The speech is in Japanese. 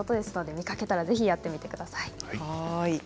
見かけたらぜひやってみてください。